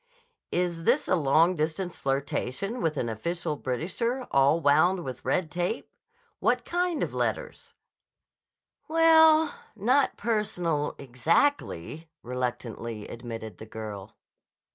"Is this a long distance flirtation with an official Britisher, all wound round with red tape? What kind of fetters?" "Well, not personal, exactly," reluctantly admitted the girl.